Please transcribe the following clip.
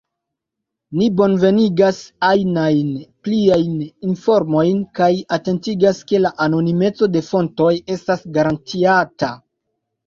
Ni bonvenigas ajnajn pliajn informojn kaj atentigas, ke la anonimeco de fontoj estas garantiata.